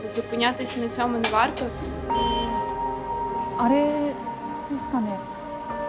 あれですかね。